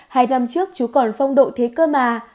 hai năm trước chú còn phong độ thế cơ mà